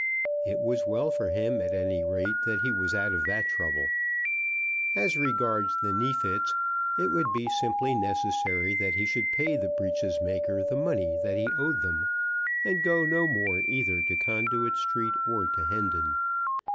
It was well for him, at any rate, that he was out of that trouble. As regarded the Neefits, it would be simply necessary that he should pay the breeches maker the money that he owed them, and go no more either to Conduit Street or to Hendon.